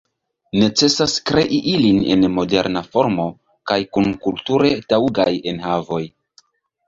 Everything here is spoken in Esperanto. Necesas krei ilin en moderna formo kaj kun kulture taŭgaj enhavoj.